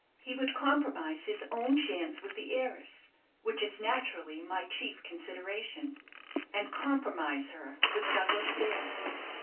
He would compromise his own chance with the heiress, which is, naturally, my chief consideration, and compromise her with Douglas Dale.